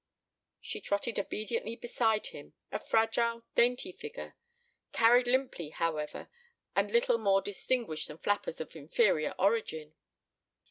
She trotted obediently beside him, a fragile dainty figure; carried limply, however, and little more distinguished than flappers of inferior origin.